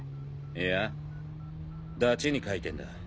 いやダチに書いてんだ。